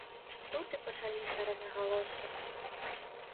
Тут і пачаліся рознагалоссі.